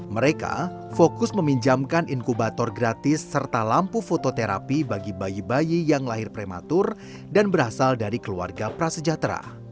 mereka fokus meminjamkan inkubator gratis serta lampu fototerapi bagi bayi bayi yang lahir prematur dan berasal dari keluarga prasejahtera